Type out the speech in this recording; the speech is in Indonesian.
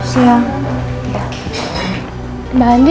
selamat siang mbak andin